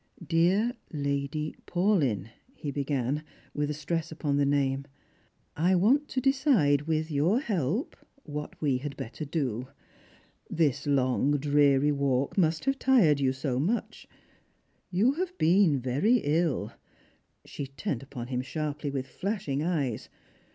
" Dear Lady Paulyn," he began, with a stress upon the name, " I want to decide, with your help, what we had better do. This long dreary walk must have tired Tou so much. You have been very ill " Strangers and Pilgrims. 337 She turned upon him sharply, with flashing eyes.